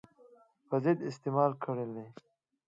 په ضد استعمال کړلې.